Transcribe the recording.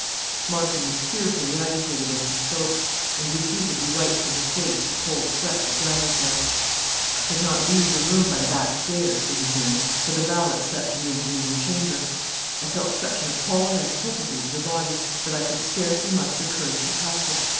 Marston was fearfully agitated as he spoke, and repeatedly wiped from his face the cold sweat that gathered there. "I could not leave the room by the back stairs," he resumed, "for the valet slept in the intervening chamber. I felt such an appalled antipathy to the body, that I could scarcely muster courage to pass it.